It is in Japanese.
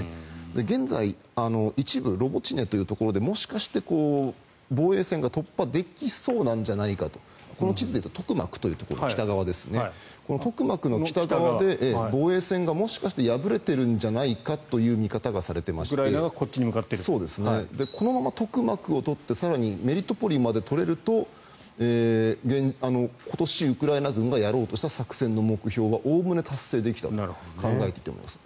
現在、一部ロボチネというところでもしかしたら防衛線が突破できそうなんじゃないかこの地図でいうとトクマクトクマクの北側で防衛線がもしかして破れてるんじゃないかという見方がされていましてこのままトクマクを取って更にメリトポリまで取れると今年、ウクライナ軍がやろうとした作戦の目標はおおむね達成できたと考えていいと思います。